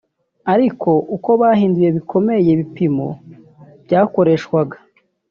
ari uko bahinduye bikomeye ibipimo byakoreshwaga